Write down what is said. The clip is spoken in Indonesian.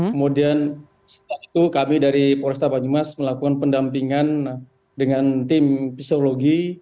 kemudian setelah itu kami dari polresta banyumas melakukan pendampingan dengan tim psikologi